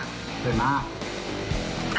มีความรู้สึกว่ามีความรู้สึกว่า